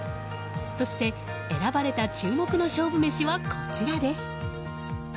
そして、選ばれた注目の勝負メシはこちらです。